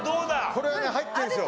これね入ってるんですよ。